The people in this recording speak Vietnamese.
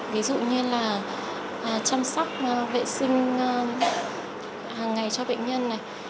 ví dụ như là chăm sóc vệ sinh hàng ngày cho bệnh nhân này